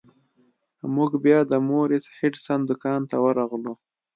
موږ بیا د مورس هډسن دکان ته ورغلو.